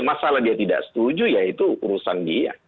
masalah dia tidak setuju ya itu urusan dia